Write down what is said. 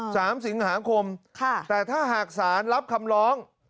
สามสิงหาคมค่ะแต่ถ้าหากสารรับคำร้อง